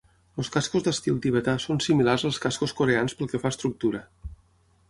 Els cascs d'estil tibetà són similars als cascs coreans pel que fa a estructura.